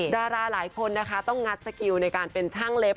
ดาราหลายคนนะคะต้องงัดสกิลในการเป็นช่างเล็บ